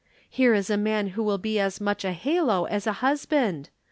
Here is a man who will be as much a halo as a husband.